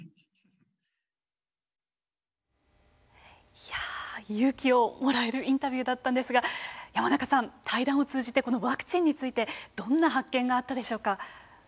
いや勇気をもらえるインタビューだったんですが山中さん対談を通じてこのワクチンについてどんな発見があったでしょうか。